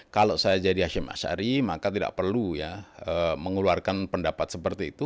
kalau saya jadi hashim ashari ⁇ maka tidak perlu ya mengeluarkan pendapat seperti itu